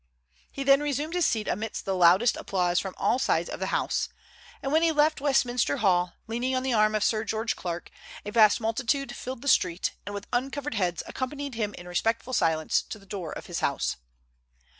He then resumed his seat amidst the loudest applause from all sides of the House; and when he left Westminster Hall, leaning on the arm of Sir George Clark, a vast multitude filled the street, and with uncovered heads accompanied him in respectful silence to the door of his house.